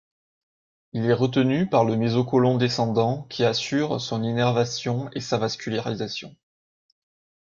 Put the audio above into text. Il est retenu par le mésocôlon descendant, qui assure son innervation et sa vascularisation.